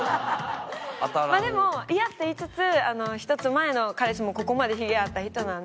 でも嫌って言いつつ１つ前の彼氏もここまでヒゲあった人なので。